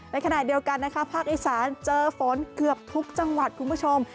ในขณะเดียวกันนะคะภาคอีสานเจอฝนเกือบทุกจังหวัดคุณผู้ชม